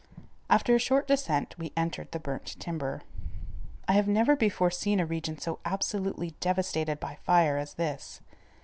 After a short descent we entered the burnt timber. I have never before seen a region so absolutely devastated by fire as this.